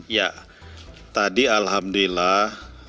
ya tadi alhamdulillah